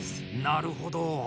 なるほど。